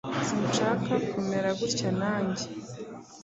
Sinshaka kumera gutya nanjye.